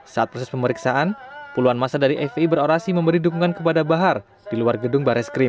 saat proses pemeriksaan puluhan masa dari fpi berorasi memberi dukungan kepada bahar di luar gedung bareskrim